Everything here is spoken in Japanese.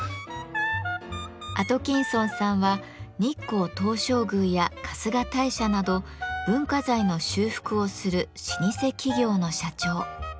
アトキンソンさんは日光東照宮や春日大社など文化財の修復をする老舗企業の社長。